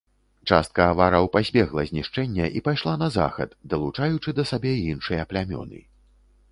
Частка авараў пазбегла знішчэння і пайшла на захад, далучаючы да сабе іншыя плямёны.